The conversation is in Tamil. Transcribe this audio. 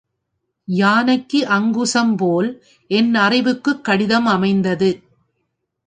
யானைக்கு அங்குசம் போல் என் அறிவுக்குக் கடிதம் அமைந்தது.